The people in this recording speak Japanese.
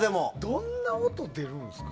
どんな音出るんですか。